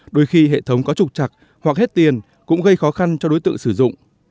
đôi khi hệ thống có trục chặt hoặc hết tiền cũng gây khó khăn cho đối tượng sử dụng